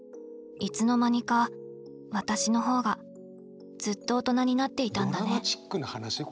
いつの間にか私の方がずっと大人になっていたんだね。